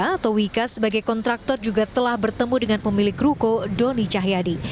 atau wika sebagai kontraktor juga telah bertemu dengan pemilik ruko doni cahyadi